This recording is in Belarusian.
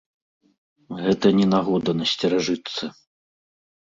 Гэта не нагода насцеражыцца.